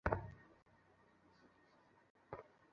এখানে শুধু শুধু নষ্ট হবে।